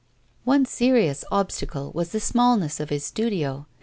One serious obstacle was the smallness of his studio.